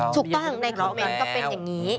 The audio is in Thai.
ถูกตั้ง